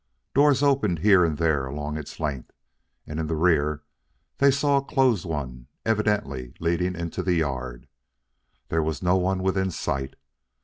Doors opened here and there along its length, and in the rear they saw a closed one evidently leading into the yard. There was no one within sight.